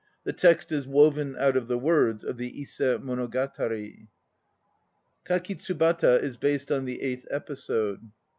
The text is woven out of the words of the Ise Monogatari. Kakitsubata is based on the eighth episode.